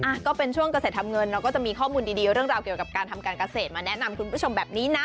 ก็เป็นช่วงเกษตรทำเงินเราก็จะมีข้อมูลดีเรื่องราวเกี่ยวกับการทำการเกษตรมาแนะนำคุณผู้ชมแบบนี้นะ